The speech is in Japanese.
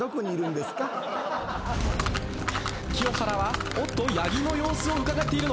清原はおっと八木の様子をうかがっているのか？